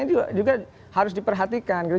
ini juga harus diperhatikan gitu